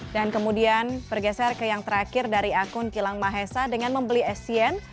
dan kemudian bergeser ke yang terakhir dari akun kilang mahesa dengan membeli asean